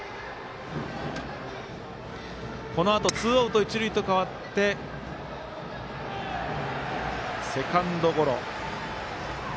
このあとツーアウト一塁と変わってセカンドゴロ。